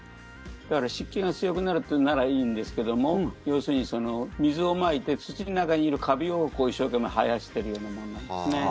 だから湿気が強くなるっていうならいいんですけども要するに水をまいて土の中にいるカビを一生懸命生やしてるようなもんなんです。